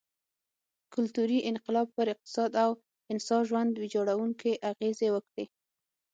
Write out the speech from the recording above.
کلتوري انقلاب پر اقتصاد او انسا ژوند ویجاړوونکې اغېزې وکړې.